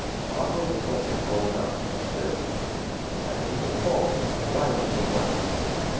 "Oswald was always close mouthed," he declared. "It's a good fault; I'm obliged to the boy."